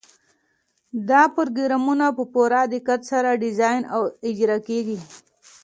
دا پروګرامونه په پوره دقت سره ډیزاین او اجرا کیږي.